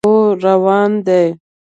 او روان دي